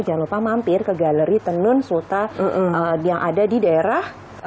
jangan lupa mampir ke galeri tenun sulta yang ada di daerah